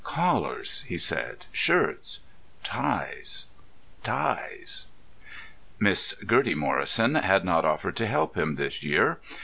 "Collars," he said, "shirts, ties—ties——" Miss Gertie Morrison had not offered to help him this year.